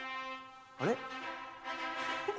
あれ？